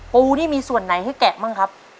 ปูนี่มีส่วนไหนให้แกะบ้างครับ